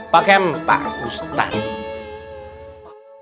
pak kemet pak ustadz